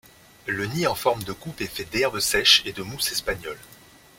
Le nid en forme de coupe est fait d’herbes sèches et de Mousse espagnole.